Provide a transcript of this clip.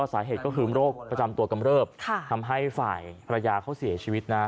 สาเหตุก็คือโรคประจำตัวกำเริบทำให้ฝ่ายภรรยาเขาเสียชีวิตนะ